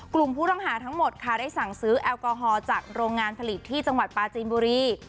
กลุ่มผู้ต้องหาทั้งหมดค่ะได้สั่งซื้อแอลกอฮอลจากโรงงานผลิตที่จังหวัดปลาจีนบุรี